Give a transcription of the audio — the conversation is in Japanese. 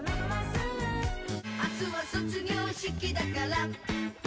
「明日は卒業式だから」